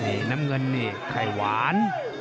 นี่น้ำเงินนี่ไข่หวาน